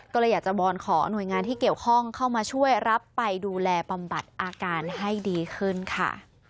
ก็เลยอยากจะวอนขอหน่วยงานที่เกี่ยวข้องเข้ามาช่วยรับไปดูแลบำบัดอาการให้ดีขึ้นค่ะ